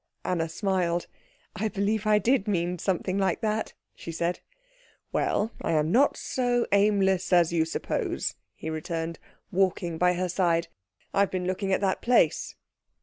Anna smiled. "I believe I did mean something like that," she said. "Well, I am not so aimless as you suppose," he returned, walking by her side. "I have been looking at that place."